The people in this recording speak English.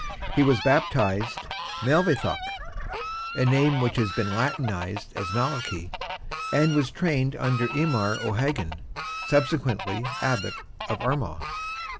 He was baptized Maelmhaedhoc (a name which has been Latinized as Malachy) and was trained under Imhar O'Hagan, subsequently Abbot of Armagh.